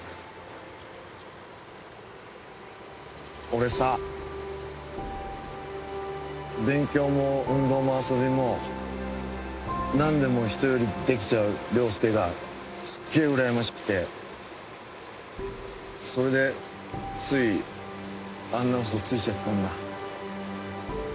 俺さ勉強も運動も遊びも何でも人よりできちゃう良介がすっげえうらやましくてそれでついあんな嘘ついちゃったんだ。